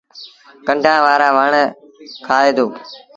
ڪنڊآن وآرآ وڻ کآئي دو۔